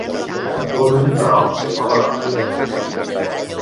Actualment, però, es troba de baixa.